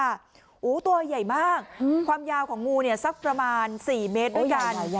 โอ้โหตัวใหญ่มากความยาวของงูเนี่ยสักประมาณ๔เมตรด้วยกัน